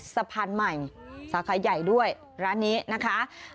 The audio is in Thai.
สะพานใหม่สาขาใหญ่ด้วยร้านนี้นะคะ